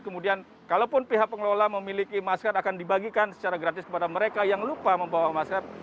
kemudian kalaupun pihak pengelola memiliki masker akan dibagikan secara gratis kepada mereka yang lupa membawa masker